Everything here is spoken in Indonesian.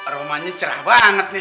romanya cerah banget nih